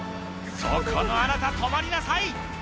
「そこのあなた止まりなさい！